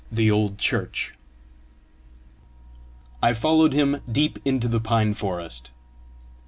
THE OLD CHURCH I followed him deep into the pine forest.